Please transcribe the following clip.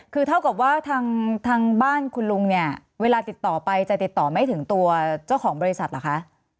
คือเท่ากับว่าทางบ้านคุณลุงเนี่ยเวลาติดต่อไปจะติดต่อไม่ถึงตัวเจ้าของบริษัทเหรอคะ